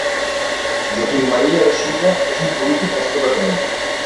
Joaquim Maria de Sulla és un polític nascut a Tremp.